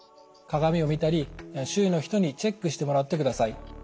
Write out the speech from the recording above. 鏡を見たり周囲の人にチェックしてもらってください。